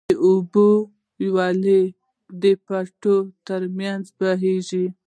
د اوبو وياله د پټيو تر منځ بهيږي.